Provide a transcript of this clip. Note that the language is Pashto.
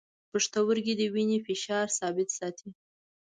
پښتورګي د وینې فشار ثابت ساتي.